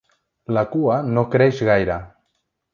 La cua no creix gaire.